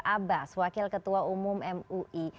abbas wakil ketua umum mui